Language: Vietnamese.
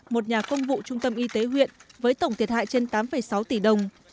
một nhà công vụ trung tâm y tế huyện với tổng thiệt hại trên tám sáu tỷ đồng